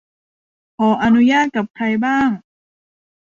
ขออนุญาตกับใครบ้าง